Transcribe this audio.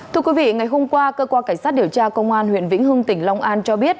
thưa quý vị ngày hôm qua cơ quan cảnh sát điều tra công an huyện vĩnh hưng tỉnh long an cho biết